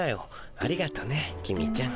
ありがとね公ちゃん。